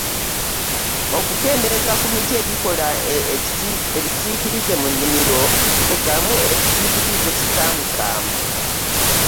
Okukendeeza ku miti egikola ebisiikirize mu nnimiro lekamu ekisiikirize ekisaamusaamu.